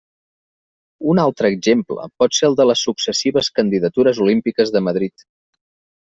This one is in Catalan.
Un altre exemple pot ser el de les successives candidatures olímpiques de Madrid.